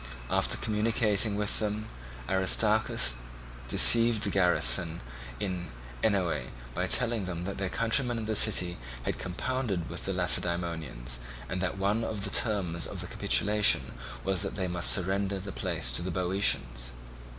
After communicating with them, Aristarchus deceived the garrison in Oenoe by telling them that their countrymen in the city had compounded with the Lacedaemonians, and that one of the terms of the capitulation was that they must surrender the place to the Boeotians.